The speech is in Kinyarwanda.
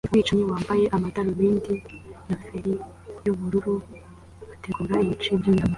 Umwicanyi wambaye amadarubindi na feri yubururu ategura ibice byinyama